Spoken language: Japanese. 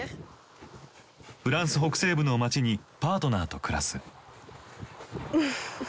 フランス北西部の街にパートナーと暮らす。